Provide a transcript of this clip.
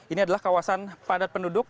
ini adalah kawasan padat penduduk